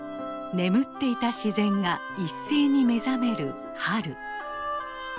眠っていた自然が一斉に目覚める春。